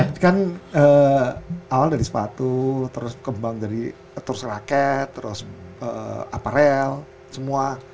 ini kan awal dari sepatu terus kembang dari terus raket terus aparel semua